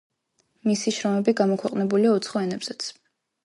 მისი შრომები გამოქვეყნებულია უცხო ენებზეც.